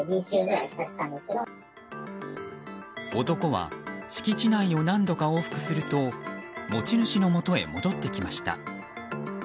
男は敷地内を何度か往復すると持ち主のもとへ戻ってきました。